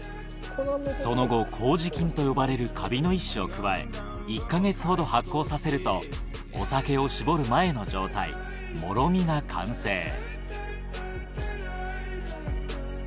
その後麹菌と呼ばれるカビの一種を加え１か月ほど発酵させるとお酒を搾る前の状態もろみが完成